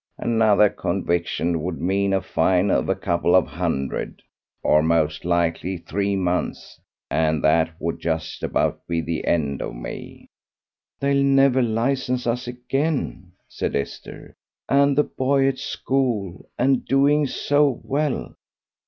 Another conviction would mean a fine of a couple of hundred, or most like three months, and that would just about be the end of me." "They'll never license us again," said Esther, "and the boy at school and doing so well."